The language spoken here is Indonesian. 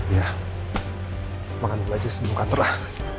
ya makan dulu aja sebelum kantor lah